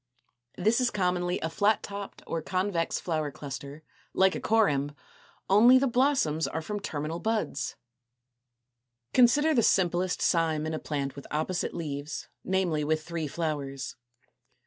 = This is commonly a flat topped or convex flower cluster, like a corymb, only the blossoms are from terminal buds. Fig. 211 illustrates the simplest cyme in a plant with opposite leaves, namely, with three flowers.